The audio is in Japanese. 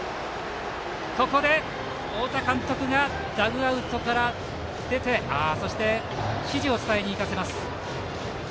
ここで太田監督がダグアウトから出てそして指示を伝えに行かせます。